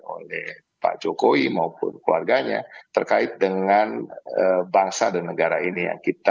oleh pak jokowi maupun keluarganya terkait dengan bangsa dan negara ini yang kita